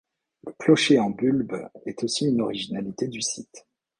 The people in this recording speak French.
Le clocher en bulbe est aussi une originalité du site.